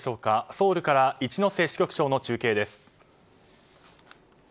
ソウルから一之瀬支局長の中継です。